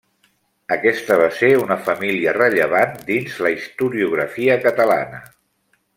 Aquesta va ser una família rellevant dins la historiografia catalana.